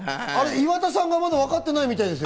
岩田さんがまだわかってないみたいですよ。